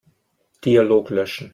Dialog löschen.